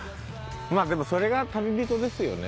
まあでもそれが旅人ですよね。